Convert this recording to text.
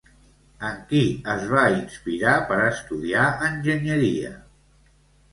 En qui es va inspirar per estudiar enginyeria?